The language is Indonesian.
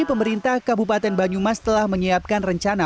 pemerintah kabupaten banyumas telah menyiapkan rencana